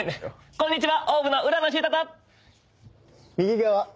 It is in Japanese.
こんにちは。